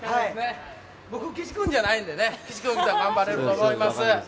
僕、岸君じゃないんでね、岸君いたら頑張れると思います。